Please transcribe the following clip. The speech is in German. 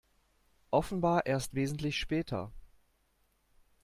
Offenbar erst wesentlich später.